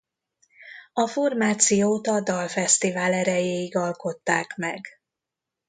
A formációt a dalfesztivál erejéig alkották meg.